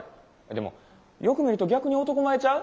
でもよく見ると逆に男前ちゃう？